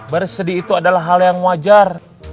bersedih itu adalah hal yang wajar